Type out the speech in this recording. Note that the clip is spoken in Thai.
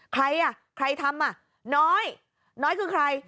ใครอ่ะใครทำอ่ะน้อยน้อยคือใคร